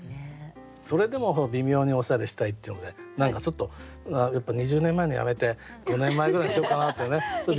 それでも微妙におしゃれしたいっていうので何かちょっとやっぱ２０年前のやめて５年前ぐらいにしよっかなってね